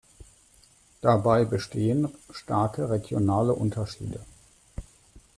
Dabei bestehen starke regionale Unterschiede.